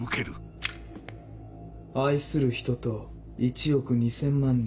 「愛する人」と「１億２０００万人」。